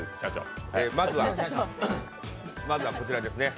まずは、こちらです。